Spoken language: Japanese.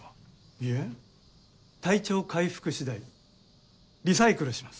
いえ体調回復次第リサイクルします。